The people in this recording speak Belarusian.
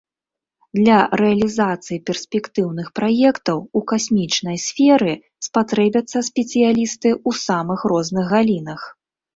Для рэалізацыі перспектыўных праектаў у касмічнай сферы спатрэбяцца спецыялісты ў самых розных галінах.